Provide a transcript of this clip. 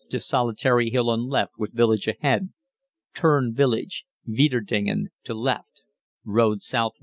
to solitary hill on left with village ahead, turn village (Weiterdingen) to left road S. W.